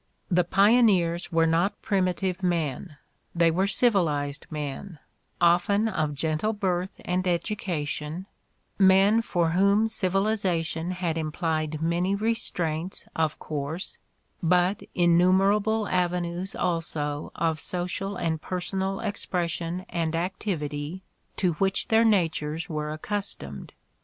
The pioneers were not primitive men, they were civilized men, often of gentle birth and education, men for whom civilization had implied many restraints, of course, but innumerable avenues also of social and personal expression and activity to which their natures were acctistomed.